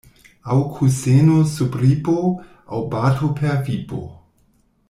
Aŭ kuseno sub ripo, aŭ bato per vipo.